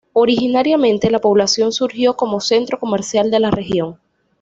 Originariamente, la población surgió como centro comercial de la región.